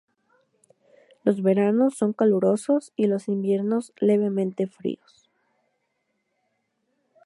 Los veranos son calurosos y los inviernos levemente fríos.